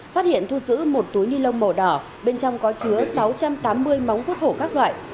phát hiện thu giữ một túi nilon màu đỏ bên trong có chứa sáu trăm tám mươi móng vút hổ các loại